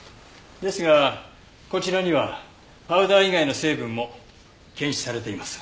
ですがこちらにはパウダー以外の成分も検出されています。